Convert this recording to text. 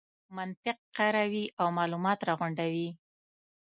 منطق کاروي او مالومات راغونډوي.